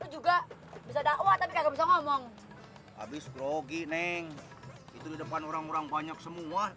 juga bisa dakwah tapi nggak bisa ngomong habis grogi neng itu di depan orang orang banyak semua